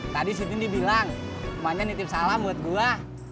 tadi si tintin bilang rumahnya nitip salam buat gua